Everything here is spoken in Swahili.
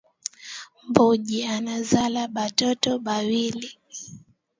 Mbuji anazala ba toto ba wili